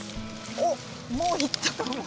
おっもういった。